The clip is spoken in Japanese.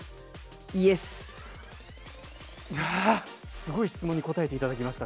すごい質問に答えていただきました。